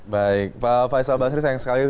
baik pak faisal basri sayang sekali